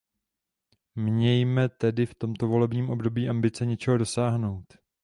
Mějme tedy v tomto volebním období ambice něčeho dosáhnout.